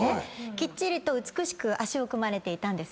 きっちりと美しく足を組まれていたんです。